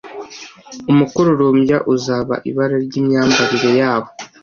umukororombya uzaba ibara ryimyambarire yabo